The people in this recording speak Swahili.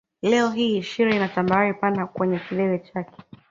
Leo hii Shira ina tambarare pana kwenye kilele chake